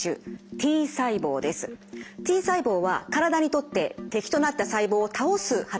Ｔ細胞は体にとって敵となった細胞を倒す働きがあります。